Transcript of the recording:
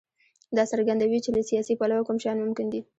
دا څرګندوي چې له سیاسي پلوه کوم شیان ممکن دي.